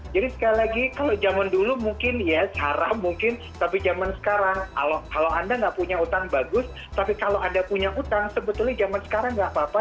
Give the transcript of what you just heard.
jadi sekali lagi kalau zaman dulu mungkin ya sara mungkin tapi zaman sekarang kalau anda nggak punya utang bagus tapi kalau anda punya utang sebetulnya zaman sekarang nggak apa apa